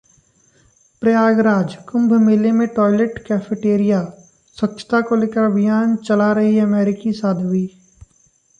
प्रयागराजः कुंभ मेले में toilet cafeteria, स्वच्छता को लेकर अभियान चला रही अमेरिकी साध्वी